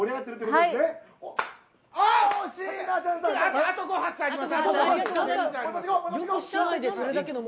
あと５発あります！